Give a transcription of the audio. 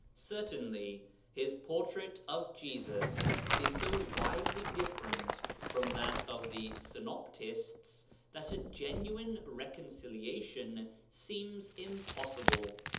Certainly his portrait of Jesus is so widely different from that of the Synoptists that a genuine reconciliation seems impossible.